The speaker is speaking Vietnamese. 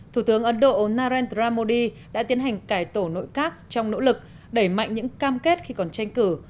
thủ tướng ấn độ narendra modi đã tiến hành cải tổ nội các trong nỗ lực đẩy mạnh những cam kết khi còn tranh cử